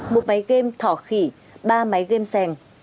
một máy game thỏ khỉ ba máy game sèn